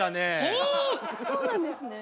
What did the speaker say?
えそうなんですね。